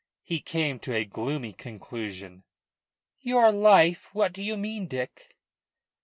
He came to a gloomy conclusion. "Your life? What do you mean, Dick?"